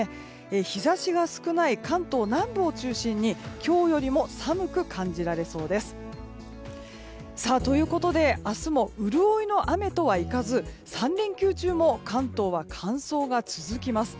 日差しが少ない関東南部を中心に今日よりも寒く感じられそうです。ということで明日も潤いの雨とはいかず３連休も関東は乾燥が続きます。